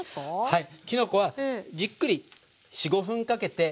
はい。